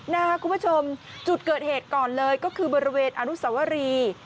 คุณผู้ชมจุดเกิดเหตุก่อนเลยก็คือบริเวณอนุสวรี